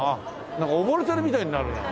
なんか溺れてるみたいになるなあ。